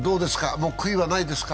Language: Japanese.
もう悔いはないですか？